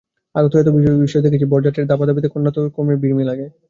আরো তো এত এত বিয়ে দেখেছি, বরযাত্রের দাপাদাপিতে কন্যাকর্তার ভির্মি লাগে।